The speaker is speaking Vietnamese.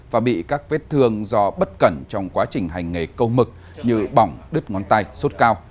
và bị các vết thương do bất cẩn trong quá trình hành nghề câu mực như bỏng đứt ngón tay sốt cao